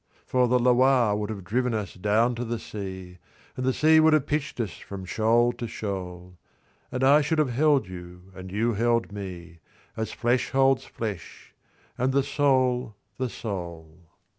For the Loire would have driven us down to the sea, And the sea would have pitched us from shoal to shoal; And I should have held you, and you held me, As flesh holds flesh, and the soul the soul.